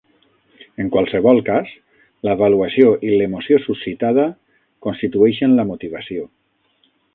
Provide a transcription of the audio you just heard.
En qualsevol cas, l'avaluació i l'emoció suscitada constitueixen la motivació.